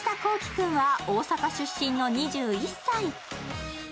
君は大阪出身の２１歳。